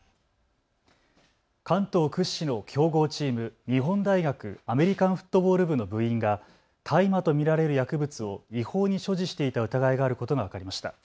関東屈指の強豪チーム、日本大学アメリカンフットボール部の部員が大麻と見られる薬物を違法に所持していた疑いがあることが分かりました。